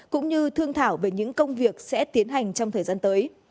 cũng như thương thảo về những công việc sẽ tiến hành trong thời gian tới